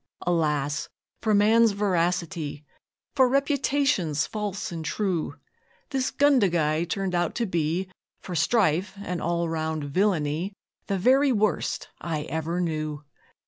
Alas for man's veracity! For reputations false and true! This 'Gundagai' turned out to be, For strife and all round villainy, The very worst I ever knew!